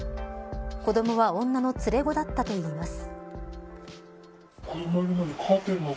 子どもは女の連れ子だったといいます。